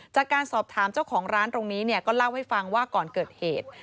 จากการสอบถามเจ้าของร้านตรงนี้เนี่ยก็เล่าให้ฟังว่าก่อนเกิดเหตุ